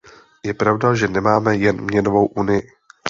Je pravda, že nemáme jen měnovou unii.